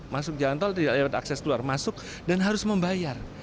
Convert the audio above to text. masuk jalan tol tidak lewat akses keluar masuk dan harus membayar